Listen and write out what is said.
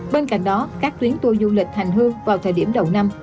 bên cạnh đó các tuyến tour du lịch hành hương vào thời điểm đầu năm